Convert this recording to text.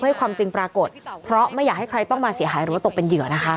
ให้ความจริงปรากฏเพราะไม่อยากให้ใครต้องมาเสียหายหรือว่าตกเป็นเหยื่อนะคะ